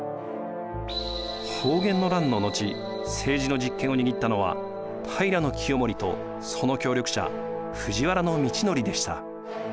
保元の乱の後政治の実権を握ったのは平清盛とその協力者藤原通憲でした。